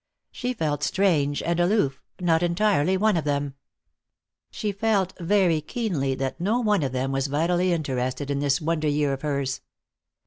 She felt strange and aloof, not entirely one of them. She felt very keenly that no one of them was vitally interested in this wonder year of hers.